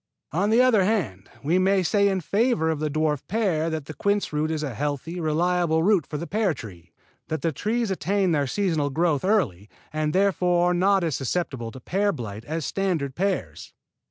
On the other hand, we may say in favor of the dwarf pear that the quince root is a healthy, reliable root for the pear tree; that the trees attain their seasonal growth early, and therefore are not as susceptible to pear blight as standard pears.